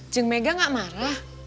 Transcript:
jeng mega gak marah